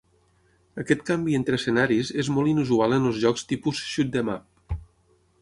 Aquest canvi entre escenaris és molt inusual en els jocs tipus "shoot 'em up".